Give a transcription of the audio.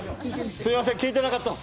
すみません、聞いてなかったッす。